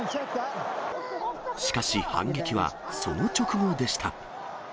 しかし、反撃はその直後でした。